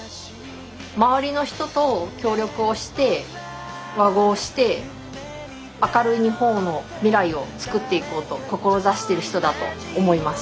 周りの人と協力をして和合して明るい日本の未来をつくっていこうと志してる人だと思います。